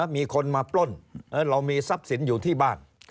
มีคนมาปล้นเรามีทรัพย์สินอยู่ที่บ้าน